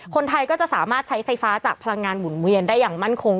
คนไทยก็จะสามารถใช้ไฟฟ้าจากพลังงานหมุนเวียนได้อย่างมั่นคง